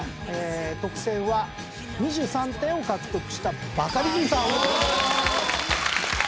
特選は２３点を獲得したバカリズムさん！